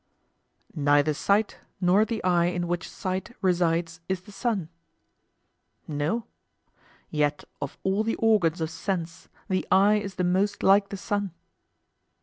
Neither sight nor the eye in which sight resides is the sun? No. Yet of all the organs of sense the eye is the most like the sun?